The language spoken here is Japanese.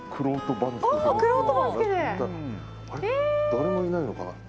誰もいないのかな。